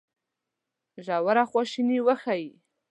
ژوره خواشیني وښيي.